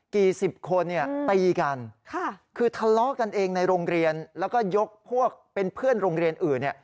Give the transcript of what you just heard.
กี่สิบคนตีกันคือทะเลาะกันเองในโรงเรียนแล้วก็ยกพวกเป็นเพื่อนโรงเรียนอื่น